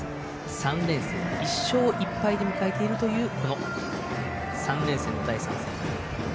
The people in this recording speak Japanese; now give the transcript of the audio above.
３連戦１勝１敗で迎えているという３連戦の第３戦。